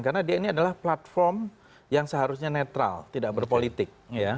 karena dia ini adalah platform yang seharusnya netral tidak berpolitik